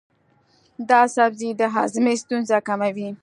دا سبزی د هاضمې ستونزې کموي.